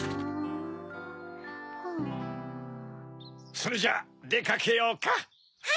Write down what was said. ・それじゃでかけようか・・はい！